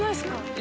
⁉今！